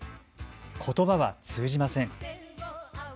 ことばは通じません。